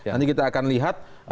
nanti kita akan lihat